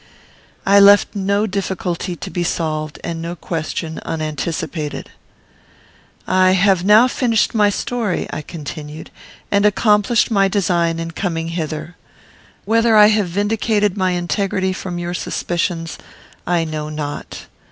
I left no difficulty to be solved, and no question unanticipated. "I have now finished my story," I continued, "and accomplished my design in coming hither. Whether I have vindicated my integrity from your suspicions, I know not.